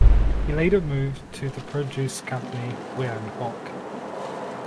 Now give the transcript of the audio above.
He later moved to the produce company Wyer and Hawke.